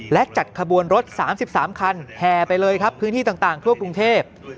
และจัดขบวนรถ๓๓คันแห่ไปเลยครับพื้นที่ต่างทั่วกรุงเทพ